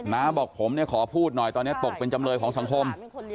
น้าบอกผมเนี่ยขอพูดหน่อยตอนนี้ตกเป็นจำเลยของสังคม